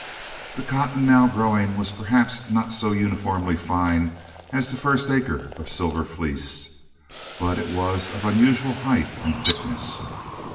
The cotton now growing was perhaps not so uniformly fine as the first acre of Silver Fleece, but it was of unusual height and thickness.